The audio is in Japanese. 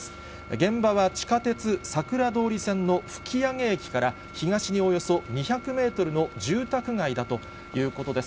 現場は地下鉄桜通線のふきあげ駅から、東におよそ２００メートルの住宅街だということです。